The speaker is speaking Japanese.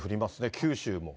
九州も。